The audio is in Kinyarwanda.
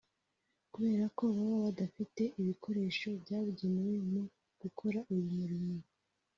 kubera ko baba badafite ibikoresho byabugenewe mu gukora uyu murimo